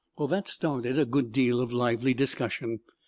That started a good deal of lively discussion.